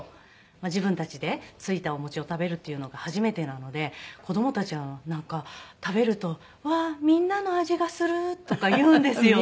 自分たちでついたお餅を食べるっていうのが初めてなので子供たちはなんか食べると「うわーみんなの味がする」とか言うんですよ。